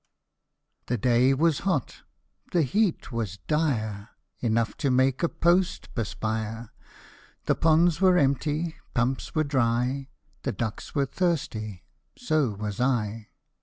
THE day was hot, the heat was dire, Enough to make a post perspire ; The ponds were empty, pumps were dry, The ducks were thirsty, so was I.